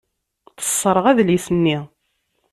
Tesserɣ adlis-nni.